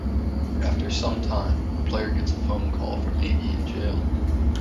After some time, the player gets a phone call from Iggy in jail.